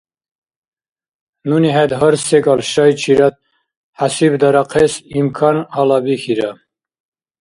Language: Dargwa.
Нуни хӀед гьар секӀал шайчирад хӀясибдарахъес имкан гьалабихьира.